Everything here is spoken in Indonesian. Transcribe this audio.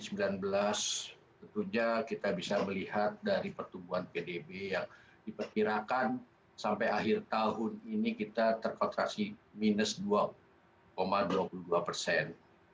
tentunya kita bisa melihat dari pertumbuhan pdb yang diperkirakan sampai akhir tahun ini kita terkontraksi minus dua dua puluh dua persen